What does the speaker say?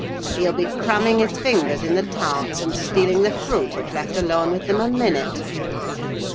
He'll be cramming his fingers in the tarts and stealing the fruit, if left alone with them a minute."